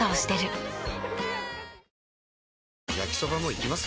焼きソバもいきます？